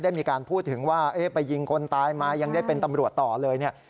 ได้มีการพูดถึงว่าไปยิงคนตายมายังได้เป็นตำรวจต่อเลยเนี่ย